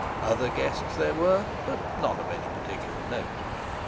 Other guests there were, but none of particular note.